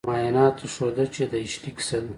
معایناتو ښوده چې د اشلي کیسه